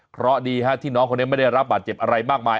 เพราะดีที่น้องคนนี้ไม่ได้รับบาดเจ็บอะไรมากมาย